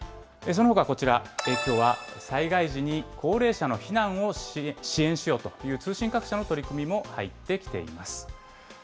そのほかこちら、きょうは災害時に高齢者の避難を支援しようという通信各社の取り組みも入ってきています。